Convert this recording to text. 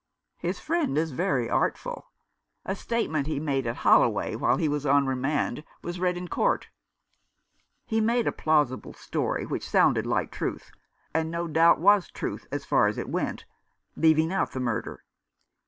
" His friend is very artful. A statement he made at Holloway while he was on remand was read in court. He made a plausible story, which sounded like truth, and no doubt was truth as far as it went — leaving out the murder.